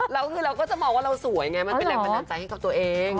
เราก็คือเราก็จะบอกว่าเราสวยไงมันเป็นแหลกแนะนำใจให้กับตัวเอง